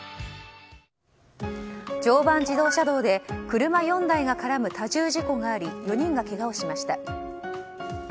常磐自動車道で車４台が絡む多重事故があり４人がけがをしました。